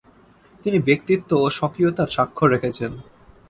তিনি ব্যক্তিত্ব ও স্বকীয়তার স্বাক্ষর রেখেছেন।